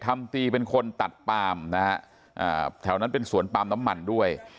ทำตีเป็นคนตัดปามนะฮะอ่าแถวนั้นเป็นสวนปาล์มน้ำมันด้วย